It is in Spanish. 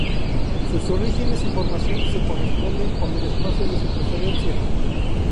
Sus orígenes y su formación se corresponden con el espacio de su procedencia.